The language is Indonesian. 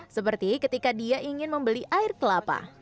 seperti ketika dia ingin membeli air kelapa